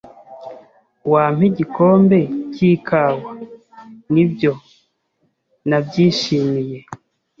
"Wampa igikombe cy'ikawa?" "Nibyo. Nabyishimiye."